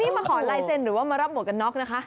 นี่มาขอลายเซ็นต์หรือว่ามารับหวกกันน็อกนะคะ